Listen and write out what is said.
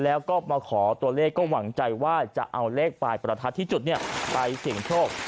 แล้วก็มาขอตัวเลขก็หวังใจว่าจะเอาเลขปลายประทัดที่จุดไปเสี่ยงโชค